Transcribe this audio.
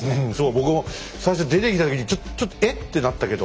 僕も最初出てきた時にちょっと「えっ？」ってなったけど。